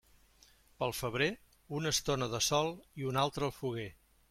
Pel febrer, una estona de sol i una altra al foguer.